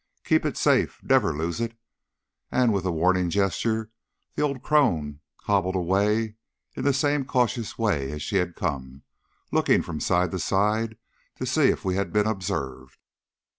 Keep it safe nebber lose it!" and with a warning gesture the old crone hobbled away in the same cautious way as she had come, looking from side to side to see if we had been observed.